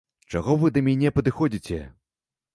Чаго вы да мяне падыходзіце?!